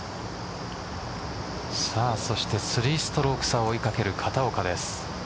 そして、３ストローク差を追い掛ける片岡です。